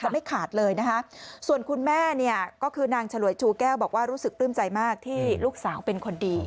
ไม่ขาดเลยนะคะส่วนคุณแม่เนี่ยก็คือนางฉลวยชูแก้วบอกว่ารู้สึกปลื้มใจมากที่ลูกสาวเป็นคนดี